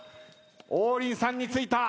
王林さんについた。